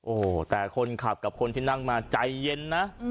โอ้โหแต่คนขับกับคนที่นั่งมาใจเย็นนะ